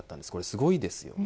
すごいですよね。